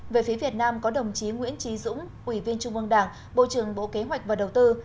về phía việt nam có đồng chí nguyễn trí dũng ủy viên trung ương đảng bộ trưởng bộ kế hoạch và đầu tư